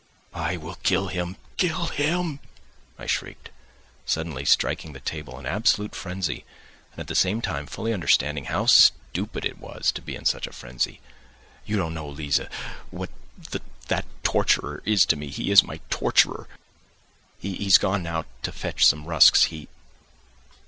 "I will kill him! kill him!" I shrieked, suddenly striking the table in absolute frenzy, and at the same time fully understanding how stupid it was to be in such a frenzy. "You don't know, Liza, what that torturer is to me. He is my torturer.... He has gone now to fetch some rusks; he